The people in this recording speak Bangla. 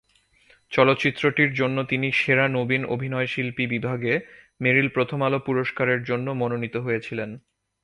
চলচ্চিত্রটির জন্য তিনি 'সেরা নবীন অভিনয়শিল্পী' বিভাগে মেরিল প্রথম আলো পুরস্কারের জন্য মনোনীত হয়েছিলেন।